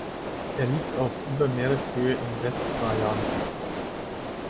Er liegt auf über Meereshöhe im Westsajan.